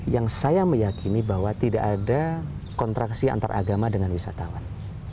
yang saya meyakini bahwa tidak ada kontraksi antara agama dengan wisatawan